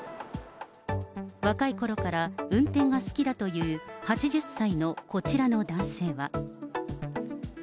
若いころから運転が好きだという８０歳のこちらの男性は。